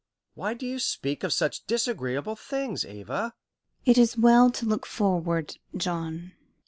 Why do you speak of such disagreeable things, Ava?" "It is well to look forward, John."